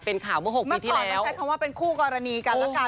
เป็นข่าวเมื่อ๖ปีที่แล้วเมื่อก่อนมันใช้คำว่าเป็นคู่กรณีกันแล้วกัน